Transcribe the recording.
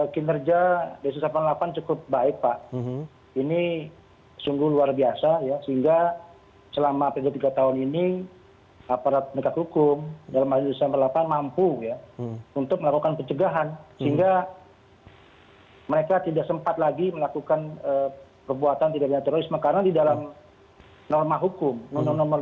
kinerja densus delapan puluh delapan cukup baik pak ini sungguh luar biasa ya sehingga selama tiga tahun ini aparat pendekat hukum ds delapan puluh delapan mampu ya untuk melakukan pencegahan sehingga mereka tidak sempat lagi melakukan perbuatan tidak dinyat terorisme karena di dalam norma hukum menurut nomor lima dua ribu delapan belas